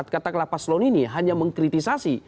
katakanlah paslon ini hanya mengkritisasi